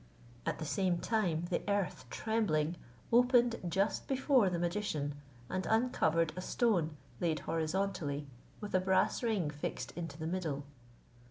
At the same time the earth trembling, opened just before the magician, and uncovered a stone, laid horizontally, with a brass ring fixed into the middle.